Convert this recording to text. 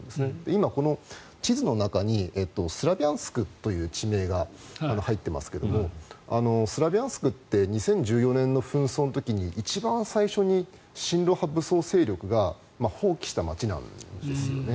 今、地図の中にスロビャンスクという地名が入っていますがスロビャンスクって２０１４年の紛争の時に一番、親ロシア派武装勢力が放棄した街なんですよね。